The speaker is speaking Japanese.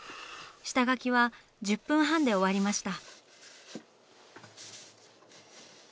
下描きは１０分半で終わりました。